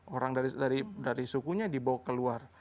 orang dari sukunya dibawa keluar